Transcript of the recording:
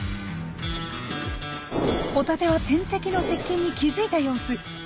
ホタテは天敵の接近に気付いた様子。